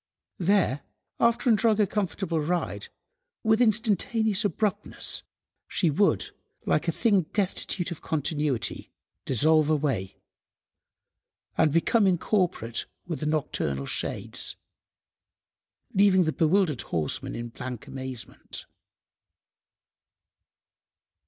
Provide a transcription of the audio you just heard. There, after enjoying a comfortable ride, with instantaneous abruptness she would, like a thing destitute of continuity, dissolve away and become incorporate with the nocturnal shades, leaving the bewildered horseman in blank amazement.